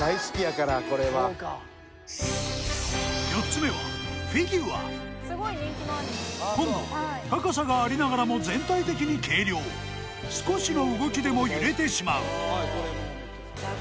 ４つ目は今度は高さがありながらも全体的に軽量少しの動きでも揺れてしまういや